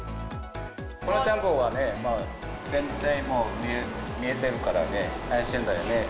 この店舗はね、全体も見えてるからね、安心だよね。